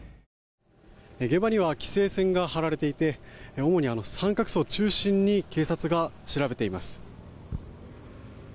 現場には規制線が張られていて主に三角州を中心に警察が調べています。